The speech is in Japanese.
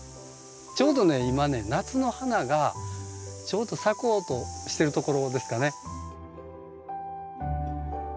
ちょうどね今ね夏の花がちょうど咲こうとしてるところですかね。